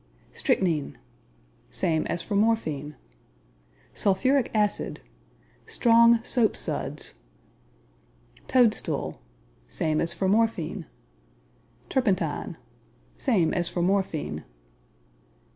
Strychnin Same as for morphine. Sulphuric Acid Strong soap suds. Toadstool Same as for morphine. Turpentine Same as for morphine.